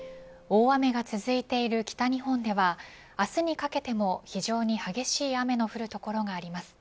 大雨が続いている北日本では明日にかけても非常に激しい雨の降る所があります。